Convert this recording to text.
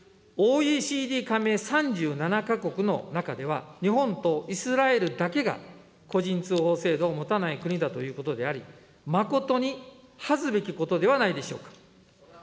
ＯＥＣＤ加盟３７か国の中では、日本とイスラエルだけが個人通報制度を持たない国だということであり、誠に恥ずべきことではないでしょうか。